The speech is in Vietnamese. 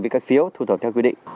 với các phiếu thu thập theo quy định